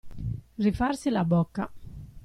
Rifarsi la bocca.